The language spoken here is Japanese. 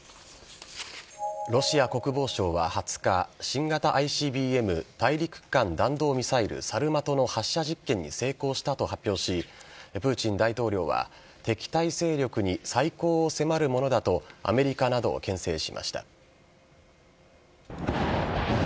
ロシア国防省は２０日新型ＩＣＢＭ＝大陸間弾道ミサイルサルマトの発射実験に成功したと発表しプーチン大統領は敵対勢力に再考を迫るものだとアメリカなどをけん制しました。